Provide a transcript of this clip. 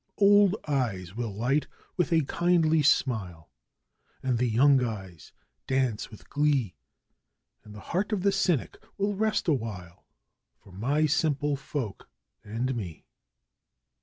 'Old eyes will light with a kindly smile, and the young eyes dance with glee 'And the heart of the cynic will rest awhile for my simple folk and me.